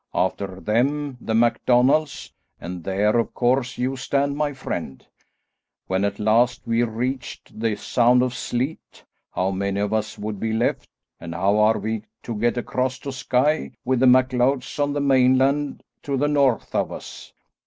After them the MacDonalds, and there, of course, you stand my friend. When at last we reached the Sound of Sleat, how many of us would be left, and how are we to get across to Skye with the MacLeods on the mainland to the north of us?